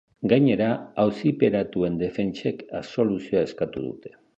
Gainera, auziperatuen defentsek absoluzioa eskatu dute.